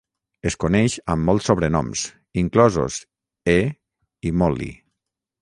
Es coneix amb molts sobrenoms, inclosos "e" i "Molly".